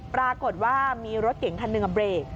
ปรากฏว่ามีรถเก่งคันหนึ่งเบรก